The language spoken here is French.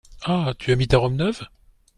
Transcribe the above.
Ah ! tu as mis ta robe neuve ?…